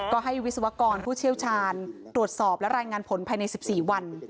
ก็ให้วิศวกรผู้เชี่ยวชาญตรวจสอบและรายงานผลภายใน๑๔วัน